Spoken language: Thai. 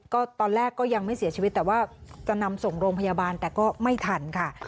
ก็ตอนแรกก็ยังไม่เสียชีวิตแต่ว่าจะนำส่งโรงพยาบาลแต่ก็ไม่ทันค่ะ